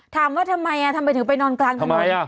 ถามว่าทำไมต้องไปหนอนกวางถนน